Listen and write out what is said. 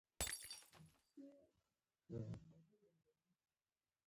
مېده رېزه ښاخونه کېښودل، زموږ دا تجربه بیا ازموینې ته تیاره شوه.